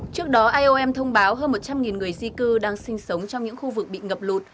trước đó iom thông báo hơn một trăm linh người di cư đang sinh sống trong những khu vực bị ngập lụt